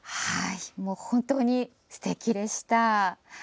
本当にすてきでした。